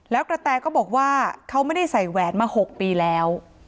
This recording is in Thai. แล้วกระแตก็บอกว่าเขาไม่ได้ใส่แหวนมา๖ปีแล้ว